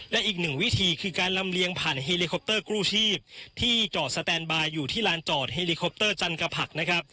และอีกหนึ่งวิธีคือการลำเลียงผ่านเฮลิคอปเตอร์กู้ชีพที่จอดสแตนบายอยู่ที่ลานจอดเฮลิคอปเตอร์จันกะผักนะครับ